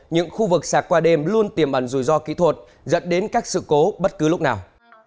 những khu vực sạc qua đêm luôn tiềm ẩn rủi ro kỹ thuật dẫn đến các sự cố bất cứ lúc nào